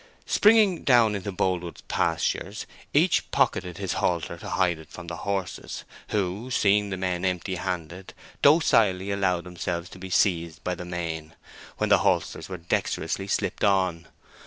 Springing down into Boldwood's pastures, each pocketed his halter to hide it from the horses, who, seeing the men empty handed, docilely allowed themselves to be seized by the mane, when the halters were dexterously slipped on.